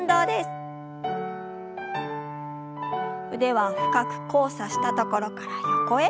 腕は深く交差したところから横へ。